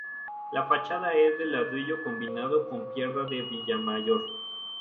La fachada es de ladrillo combinado con pierda de Villamayor.